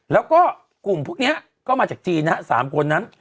แล้วก็กลุ่มพวกนี้ก็มาจากจีนนะฮะ๓คนนั้น